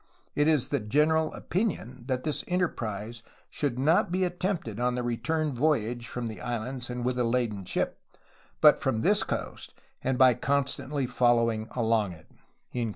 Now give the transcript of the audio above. It is the general opinion that this enterprise should not be attempted on the return voyage from the islands and with a laden ship, but from this coast and by constantly fol lowing along it."